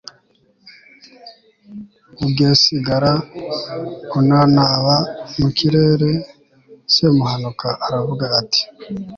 ugesigara unanaba mu kirere. semuhanuka aravuga ati